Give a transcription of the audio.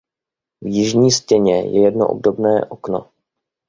V jižní stěně je jedno obdobné okno.